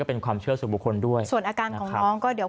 เป็นความเชื่อสู่บุคคลด้วยส่วนอาการของน้องก็เดี๋ยว